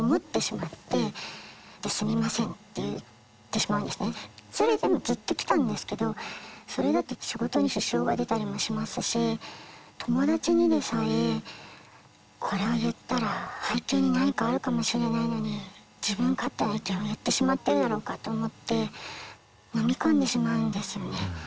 これはこういうそれを言うとそれでずっときたんですけどそれだと仕事に支障が出たりもしますし友達にでさえこれを言ったら背景に何かあるかもしれないのに自分勝手な意見を言ってしまってるだろうか？と思って飲み込んでしまうんですよね。